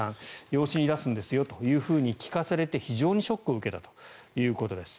養子に出すんだと聞かされて非常にショックを受けたということです。